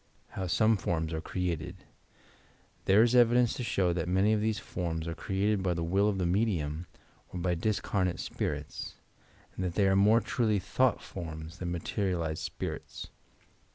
HOW SOME FORMS ARE CREATED There is evidence to show that many of these forms are created by the will of the medium or by dlscarnate spirits, and that they are more truly thought forms than materialized spirits.